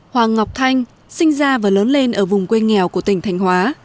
hoàng ngọc thanh sinh ra và lớn lên ở vùng quê nghèo của tỉnh thành hóa